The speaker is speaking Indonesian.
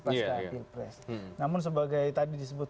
pasca pilpres namun sebagai tadi disebut